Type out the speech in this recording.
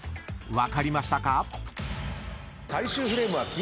［分かりましたか？］